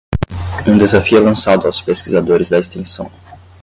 Um desafio é lançado aos pesquisadores da extensão.